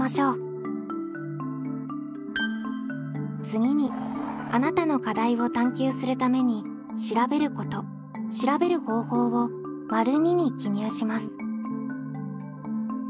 次にあなたの課題を探究するために「調べること」「調べる方法」を②に記入します。